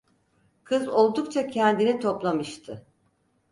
Kız oldukça kendini toplamıştı.